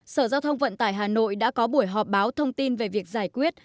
sở giao thông vận tải hà nội đã có buổi họp báo thông tin về việc giải quyết